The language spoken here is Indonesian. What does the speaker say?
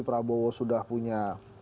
prabowo sudah punya